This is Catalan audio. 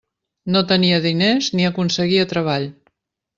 No tenia diners ni aconseguia treball.